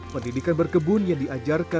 pendidikan berkebun yang diajarkan siti badr